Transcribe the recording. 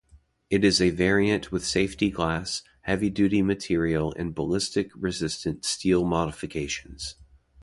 It is a variant with safety glass, heavy-duty material and ballistics-resistant steel modifications.